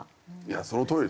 そのとおりですよ。